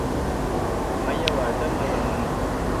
¬ مه ئې واده، مه ئې نوم.